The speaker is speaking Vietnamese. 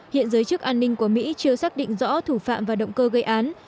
hiện giới chức an ninh của mỹ chưa xác định rõ thủ phạm và động cơ gây án